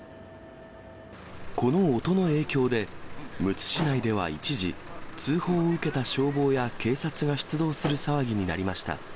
この音の影響で、むつ市内では一時、通報を受けた消防や警察が出動する騒ぎになりました。